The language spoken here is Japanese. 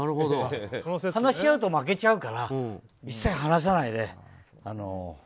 話し合うと負けちゃうから一切話さないで。